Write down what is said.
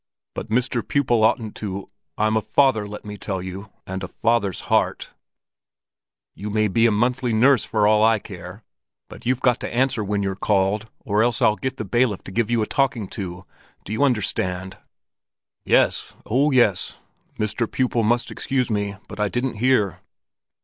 "But Mr. Pupil oughtn't to—I'm a father, let me tell you—and a father's heart——" "You may be a monthly nurse for all I care, but you've got to answer when you're called, or else I'll get the bailiff to give you a talking to. Do you understand?" "Yes, oh yes!—Mr. Pupil must excuse me, but I didn't hear."